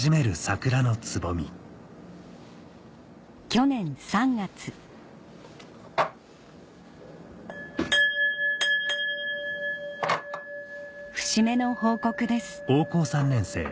去年３月節目の報告です